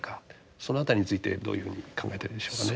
その辺りについてどういうふうに考えているでしょうかね。